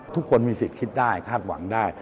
ทุกคนมีสิทธิ์คิดได้คาดหวังได้